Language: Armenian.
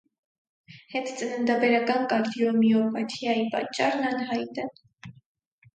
Հետծննդաբերական կարդիոմիոպաթիայի պատճառն անհայտ է։